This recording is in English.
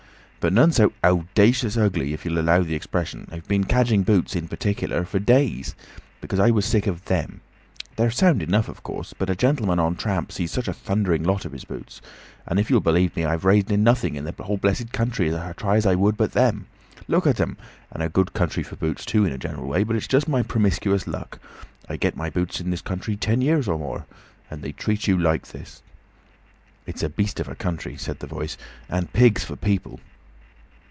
But none so owdacious ugly—if you'll allow the expression. I've been cadging boots—in particular—for days. Because I was sick of them. They're sound enough, of course. But a gentleman on tramp sees such a thundering lot of his boots. And if you'll believe me, I've raised nothing in the whole blessed country, try as I would, but them. Look at 'em! And a good country for boots, too, in a general way. But it's just my promiscuous luck. I've got my boots in this country ten years or more. And then they treat you like this." "It's a beast of a country," said the Voice. "And pigs for people."